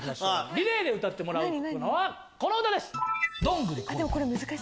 リレーで歌ってもらうのはこの歌です。